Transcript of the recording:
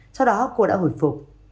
sau đó cô đã hủy phục